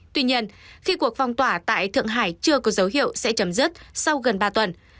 tuy nhiên khi cuộc phong tỏa tại thượng hải chưa có dấu hiệu sẽ chấm dứt sau gần ba tuần